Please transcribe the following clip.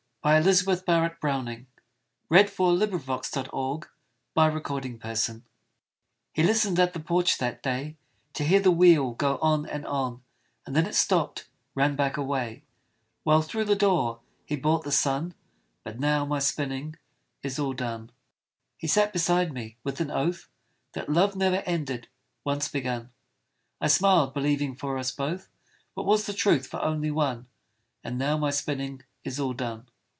JM Embroideries & Collectibles A Year's Spinning By Elizabeth Barrett Browning He listened at the porch that day, To hear the wheel go on, and on; And then it stopped, ran back away, While through the door he brought the sun: But now my spinning is all done. He sat beside me, with an oath That love ne'er ended, once begun; I smiled, believing for us both, What was the truth for only one: And now my spinning is all done.